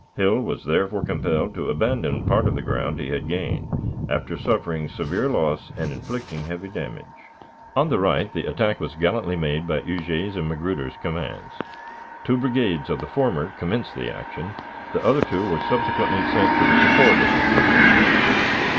Hill was therefore compelled to abandon part of the ground he had gained, after suffering severe loss and inflicting heavy damage. On the right the attack was gallantly made by Huger's and Magruder's commands. Two brigades of the former commenced the action, the other two were subsequently sent to the support of Magruder and Hill.